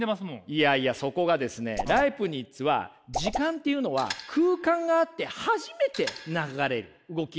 いやいやそこがですねライプニッツは時間っていうのは空間があって初めて流れる動き出すって。